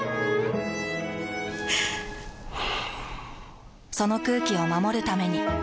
ふぅその空気を守るために。